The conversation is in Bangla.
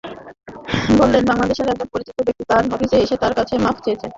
বললেন, বাংলাদেশের একজন পরিচিত ব্যক্তি তাঁর অফিসে এসে তাঁর কাছে মাফ চেয়েছেন।